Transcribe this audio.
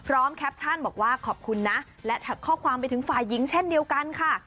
แคปชั่นบอกว่าขอบคุณนะและข้อความไปถึงฝ่ายหญิงเช่นเดียวกันค่ะ